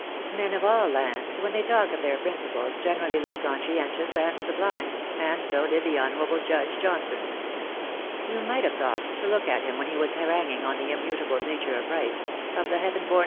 Men of all lands, when they talk of their principles, generally look conscientious and sublime, and so did the honourable Judge Johnson. You might have thought, to look at him when he was haranguing on the immutable nature of right ; of the heaven born A COMPAEISON CUT SHORT.